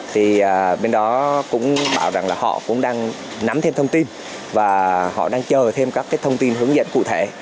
thì bên đó cũng bảo rằng là họ cũng đang nắm thêm thông tin và họ đang chờ thêm các thông tin hướng dẫn cụ thể